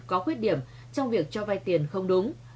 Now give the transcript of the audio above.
có khuyết điểm trong việc cho vay tiền không đúng